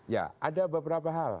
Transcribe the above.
ya ada beberapa hal